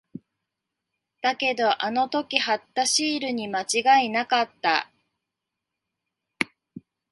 だけど、あの時貼ったシールに間違いなかった。